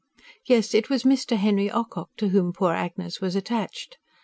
Yes, it was Mr. Henry Ocock to whom poor Agnes was attached.